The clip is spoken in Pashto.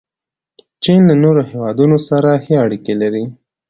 چین له نورو هیوادونو سره ښې اړیکې لري.